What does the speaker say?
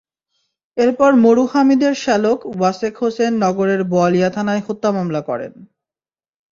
এরপর মরু হামিদের শ্যালক ওয়াসেক হোসেন নগরের বোয়ালিয়া থানায় হত্যা মামলা করেন।